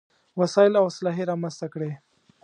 وسايل او اسلحې رامنځته کړې.